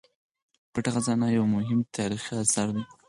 پټه خزانه یو مهم تاریخي اثر دی.